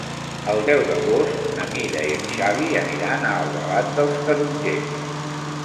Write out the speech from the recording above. El deu d'agost na Mira i en Xavi aniran a Albalat dels Tarongers.